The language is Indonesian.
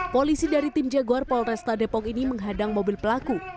polisi dari tim jaguar polresta depok ini menghadang mobil pelaku